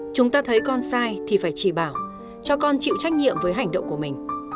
chúng ta thấy con sai thì phải chỉ bảo cho con chịu trách nhiệm với hành động của mình